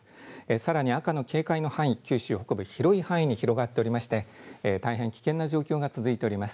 さらに赤の警戒の範囲、九州北部広い範囲に広がっておりまして大変危険な状況が続いております。